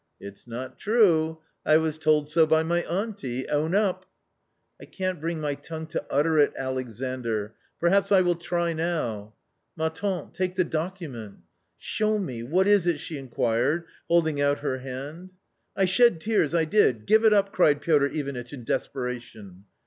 " It's not true 1 I was told so by my auntie ; own up." " I can't bring my Jongue to utter it, Alexandr. Perhaps I will try now "" Ma tank) take the document." " Show me, what is it ?" she inquired, holding out her hand. " I shed tears, I did ! Give it up !" cried Piotr Ivanitch in desperation.